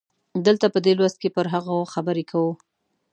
دلته په دې لوست کې پر هغو خبرې کوو.